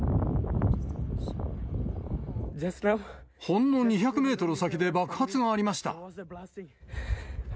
ほんの２００メートル先で爆発がありました。